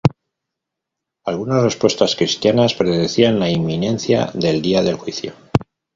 Algunas respuestas cristianas predecían la inminencia del Día del Juicio.